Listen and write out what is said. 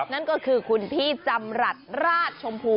นั่นก็คือคุณพี่จำรัฐราชชมพู